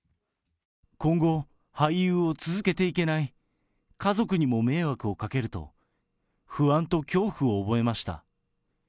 今後、俳優を続けていけない、家族にも迷惑をかけると、不安と恐怖を覚えました。